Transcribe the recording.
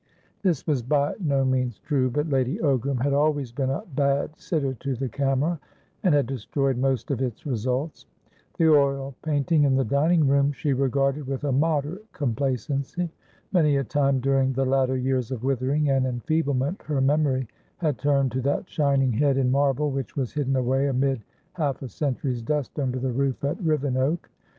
This was by no means true, but Lady Ogram had always been a bad sitter to the camera, and had destroyed most of its results. The oil painting in the dining room she regarded with a moderate complacency. Many a time during the latter years of withering and enfeeblement her memory had turned to that shining head in marble, which was hidden away amid half a century's dust under the roof at Rivenoak.